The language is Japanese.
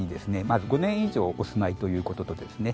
まず５年以上お住まいという事とですね